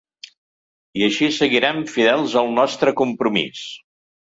I així seguirem, fidels al nostre compromís.